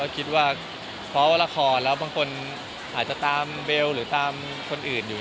คิดว่าเพราะว่าละครแล้วบางคนอาจจะตามเบลหรือตามคนอื่นอยู่